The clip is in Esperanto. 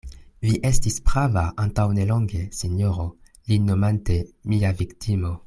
Vi estis prava antaŭ ne longe, sinjoro, lin nomante: mia viktimo.